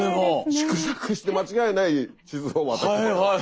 縮尺して間違えない地図を渡してたよ。